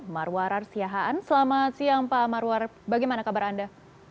marwarar siahaan selamat siang pak marwar bagaimana kabar anda